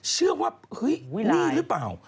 เชื่อว่าเฮ้ยนี่หรือเปล่า